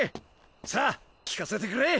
さあきかせてくれ。